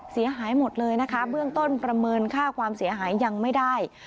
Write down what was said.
เสียหายหมดเลยนะคะเบื้องต้นประเมินค่าความเสียหายยังไม่ได้